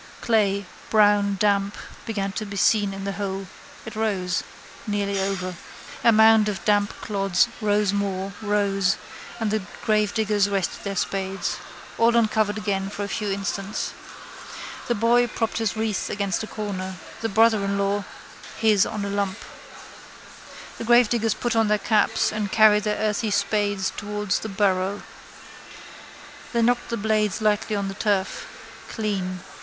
Clay, brown, damp, began to be seen in the hole. It rose. Nearly over. A mound of damp clods rose more, rose, and the gravediggers rested their spades. All uncovered again for a few instants. The boy propped his wreath against a corner: the brother in law his on a lump. The gravediggers put on their caps and carried their earthy spades towards the barrow. Then knocked the blades lightly on the turf: clean.